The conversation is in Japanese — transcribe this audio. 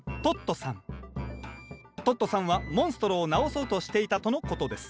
トットさんはモンストロを治そうとしていたとのことです。